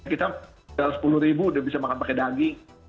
kita rp satu ratus sepuluh udah bisa makan pakai daging